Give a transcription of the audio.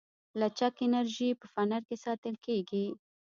لچک انرژي په فنر کې ساتل کېږي.